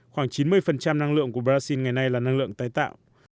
khoảng chín mươi năng lượng của brazil ngày nay là năng lượng tái tạo